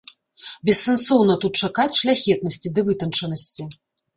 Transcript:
Бессэнсоўна тут чакаць шляхетнасці ды вытанчанасці.